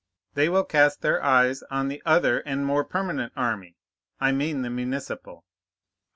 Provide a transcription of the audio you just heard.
They will cast their eyes on the other and more permanent army: I mean the municipal.